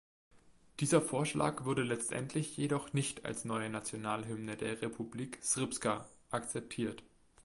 Dieser Vorschlag wurde letztendlich jedoch nicht als neue Nationalhymne der Republik Srpska akzeptiert.